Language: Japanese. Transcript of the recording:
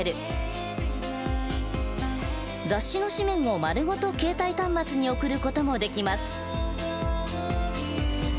雑誌の誌面を丸ごと携帯端末に送る事もできます。